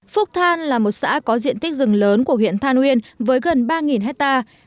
phúc than là một xã có diện tích rừng lớn của huyện than uyên với gần ba hectare